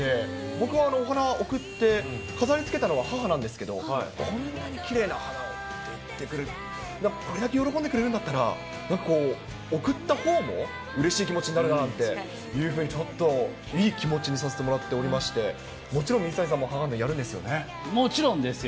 僕、お花贈って、飾りつけたのは母なんですけど、こんなにきれいな花を贈ってくれてっていって、これだけ喜んでくれるんだったら、なんかこう、贈ったほうもうれしい気持ちになるなというふうにちょっと、いい気持ちにさせてもらっておりまして、もちろん、水谷さんも母もちろんですよ。